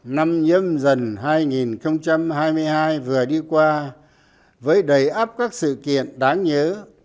năm nhâm dần hai nghìn hai mươi hai vừa đi qua với đầy ấp các sự kiện đáng nhớ